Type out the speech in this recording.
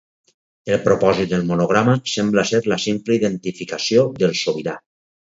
El propòsit del monograma sembla ser la simple identificació del sobirà.